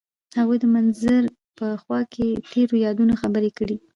هغوی د منظر په خوا کې تیرو یادونو خبرې کړې.